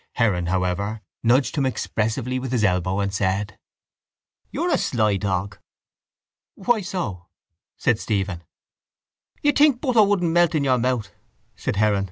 Heron, however, nudged him expressively with his elbow and said: —You're a sly dog. —Why so? said Stephen. —You'd think butter wouldn't melt in your mouth, said Heron.